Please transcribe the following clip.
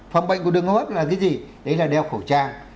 phòng bệnh của đường hô hấp là cái gì đấy là đeo khẩu trang